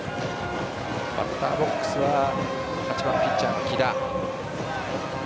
バッターボックスは８番・ピッチャーの木田。